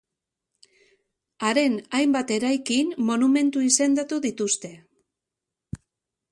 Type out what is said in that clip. Haren hainbat eraikin monumentu izendatu dituzte.